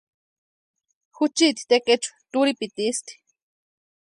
Juchiti tekechu turhipitiisti.